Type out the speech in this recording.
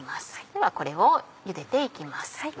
ではこれをゆでて行きます。